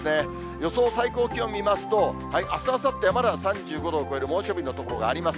予想最高気温見ますと、あす、あさってはまだ３５度を超える猛暑日の所があります。